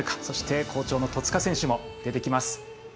そして、好調の戸塚選手も出てきます。